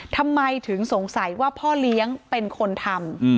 ทำไมถึงสงสัยว่าพ่อเลี้ยงเป็นคนทำ